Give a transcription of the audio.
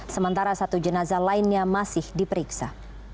sementara satu jenazah lainnya masih diperiksa